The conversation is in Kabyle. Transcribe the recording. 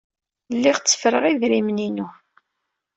Lliɣ tteffreɣ idrimen-inu.